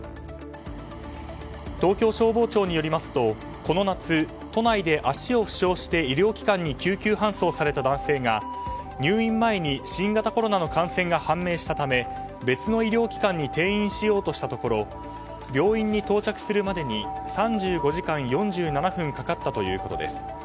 東京消防庁によりますとこの夏都内で足を負傷して医療機関に救急搬送された男性が入院前に新型コロナの感染が判明したため別の医療機関に転院しようとしたところ病院に到着するまでに３５時間４７分かかったということです。